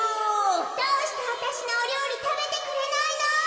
「どうしてわたしのおりょうりたべてくれないの？」。